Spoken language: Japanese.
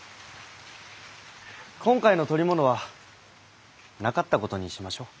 今回の捕り物はなかったことにしましょう。